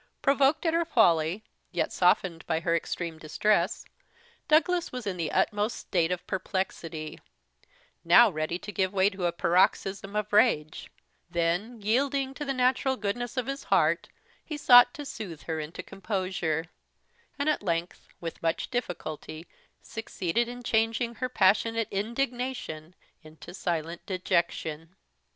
Provoked at her folly, yet softened by her extreme distress, Douglas was in the utmost state of perplexity now ready to give way to a paroxysm of rage; then yielding to the natural goodness of his heart, he sought to soothe her into composure; and, at length, with much difficulty succeeded in changing her passionate indignation into silent dejection.